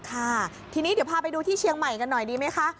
ค่ะทีนี้เดี๋ยวพาไปดูที่เชียงใหม่กันหน่อยดีไหมคะ